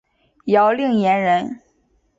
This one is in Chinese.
姚令言人。